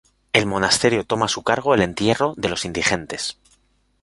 El monasterio toma a su cargo el entierro de los indigentes.